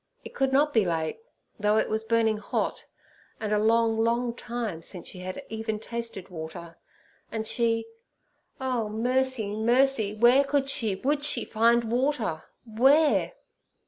It could not be late, though it was burning hot, and a long, long time since she had even tasted water; and she—Oh, mercy! mercy! where could she, would she find water! Where?